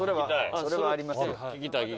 それはありますよ。